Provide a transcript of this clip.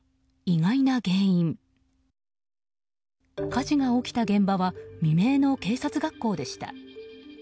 火事が起きた現場は未明の警察学校でした。